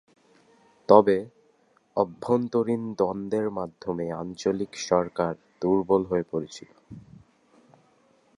তবে, অভ্যন্তরীণ দ্বন্দ্বের মাধ্যমে আঞ্চলিক সরকার দুর্বল হয়ে পড়েছিল।